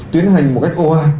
tuyến hành một cách oan